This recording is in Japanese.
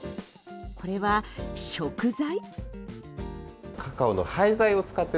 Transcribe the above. これは、食材？